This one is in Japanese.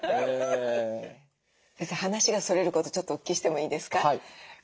先生話がそれることちょっとお聞きしてもいいですか？